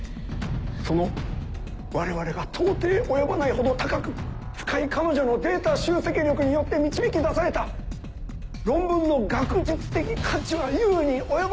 その我々が到底及ばないほど高く深い彼女のデータ集積力によって導き出された論文の学術的価値は言うに及ばず。